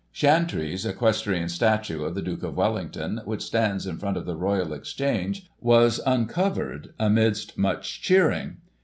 Chantrey*s equestrian statue of the Duke of Wellington, which stands in front of the Royal Exchange, was uncovered, amidst much cheering.